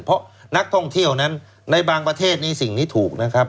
เพราะนักท่องเที่ยวนั้นในบางประเทศนี้สิ่งนี้ถูกนะครับ